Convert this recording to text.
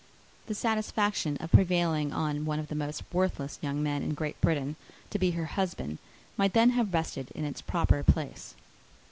The satisfaction of prevailing on one of the most worthless young men in Great Britain to be her husband might then have rested in its proper place.